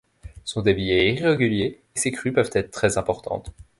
Son débit est irrégulier et ses crues peuvent être très importantes.